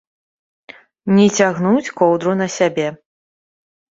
Не цягнуць коўдру на сябе.